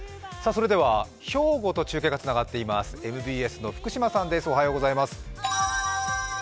兵庫と中継がつながっていますＭＢＳの福島さんです。